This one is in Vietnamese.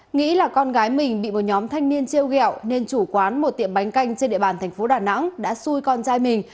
nghĩ là con gái mình bị một nhóm thanh niên treo gẹo nên chủ quán một tiệm bánh canh trên địa bàn thành phố đà nẵng đã xui con trai mình